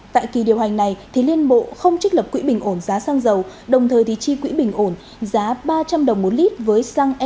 tại kỳ điều hành này liên bộ không trích lập quỹ bình ổn giá xăng dầu đồng thời chi quỹ bình ổn giá ba trăm linh đồng một lít với xăng e năm